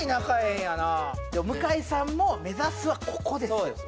えんやな向井さんも目指すはここです